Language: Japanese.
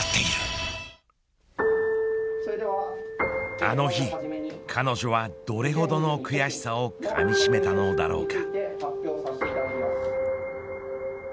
あの日、彼女はどれほどの悔しさをかみしめたのだろうか。